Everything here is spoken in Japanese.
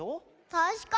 たしかに。